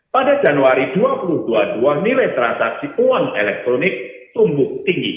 pada januari dua ribu dua puluh dua nilai transaksi uang elektronik tumbuh tinggi